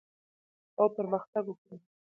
او پرمختګ وکړي